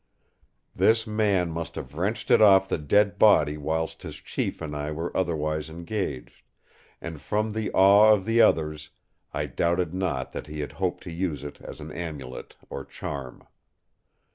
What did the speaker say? This man must have wrenched it off the dead body whilst his chief and I were otherwise engaged; and from the awe of the others I doubted not that he had hoped to use it as an Amulet, or charm.